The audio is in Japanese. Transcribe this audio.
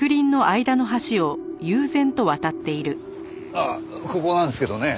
ああここなんですけどね。